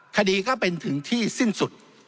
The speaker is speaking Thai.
คดีก็เป็นถึงที่สิ้นสุด